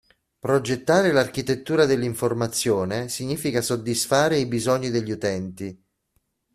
Progettare l'architettura dell'informazione significa soddisfare i bisogni degli utenti.